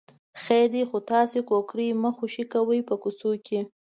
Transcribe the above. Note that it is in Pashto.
خیر دی خو تاسې کوکری مه خوشې کوئ په کوڅو کې.